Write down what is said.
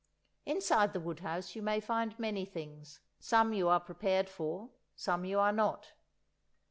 Inside the wood house you may find many things; some you are prepared for, some you are not.